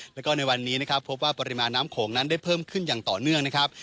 แล้วก็ในวันนี้นะครับพบว่าปริมาณน้ำโขงนั้นได้เพิ่มขึ้นอย่างต่อเนื่องนะครับ